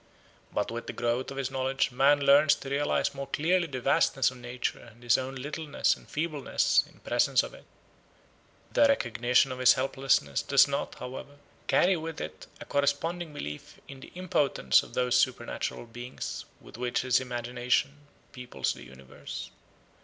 But with the growth of his knowledge man learns to realise more clearly the vastness of nature and his own littleness and feebleness in presence of it. The recognition of his helplessness does not, however, carry with it a corresponding belief in the impotence of those supernatural beings with which his imagination peoples the universe.